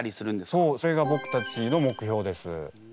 そうそれがぼくたちの目標です。